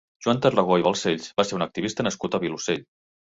Joan Tarragó i Balcells va ser un activista nascut al Vilosell.